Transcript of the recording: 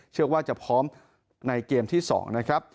เชื่อว่าจะพร้อมในเกมที่๒นะครับ